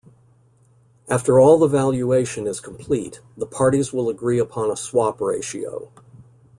After all the valuation is complete, the parties will agree upon a swap ratio.